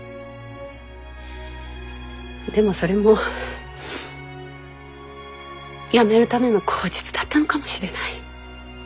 でもそれも辞めるための口実だったのかもしれない。